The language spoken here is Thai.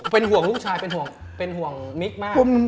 เป็นห่วงลูกชายเป็นห่วงนิกมาก